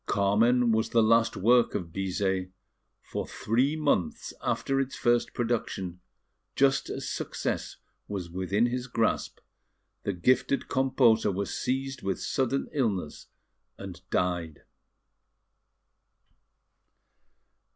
Carmen was the last work of Bizet; for, three months after its first production, just as success was within his grasp, the gifted composer was seized with sudden illness and died.